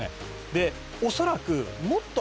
で恐らく。